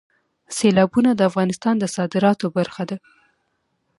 سیلابونه د افغانستان د صادراتو برخه ده.